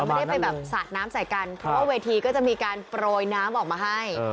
ไม่ได้ไปแบบสาดน้ำใส่กันเพราะว่าเวทีก็จะมีการโปรยน้ำออกมาให้